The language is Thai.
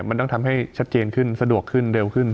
มันต้องทำให้ชัดเจนขึ้นสะดวกขึ้นเร็วขึ้น